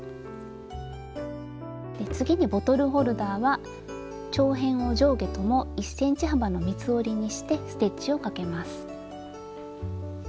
次にボトルホルダーは長辺を上下とも１ｃｍ幅の三つ折りにしてステッチをかけます。